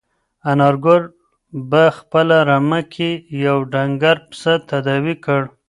انارګل په خپله رمه کې یو ډنګر پسه تداوي کړ.